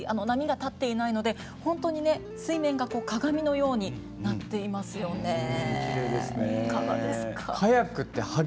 波が立っていないので本当に水面が鏡のようになっていますよね。